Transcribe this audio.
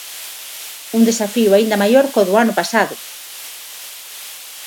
Un desafío aínda maior có do ano pasado.